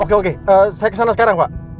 oke oke saya ke sana sekarang pak